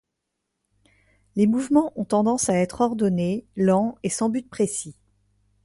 Les mouvements ont tendance à être ordonnés, lents et sans but précis.